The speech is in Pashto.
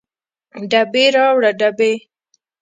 ډبې راوړه ډبې